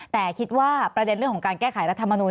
แต่คิดว่าประเด็นเรื่องของการแก้ไขรัฐมนุน